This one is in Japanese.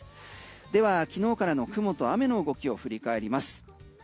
では昨日からの雲と雨の動きを振り返ります。